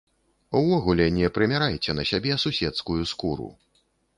Увогуле, не прымярайце на сябе суседскую скуру.